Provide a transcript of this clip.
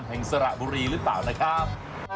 น้ำจิ้มมะขาม